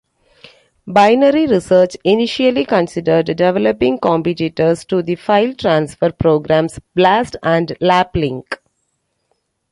Binary Research initially considered developing competitors to the file transfer programs Blast and Laplink.